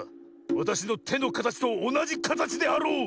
わたしのてのかたちとおなじかたちであろう？